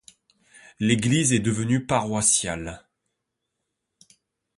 L'église est devenue paroissiale.